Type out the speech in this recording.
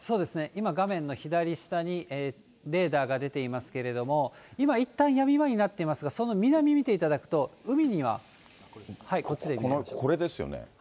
今、画面の左下にレーダーが出ていますけれども、今いったんやみ間になっていますが、その南見ていただくと、海にこれですよね。